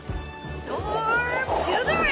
ストーム！